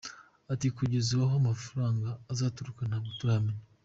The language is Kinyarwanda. Ati “Kugeza ubu aho amafaranga azaturuka ntabwo turahamenya